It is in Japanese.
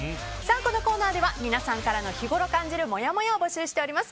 このコーナーでは皆さんからの日頃を感じるもやもやを募集しております。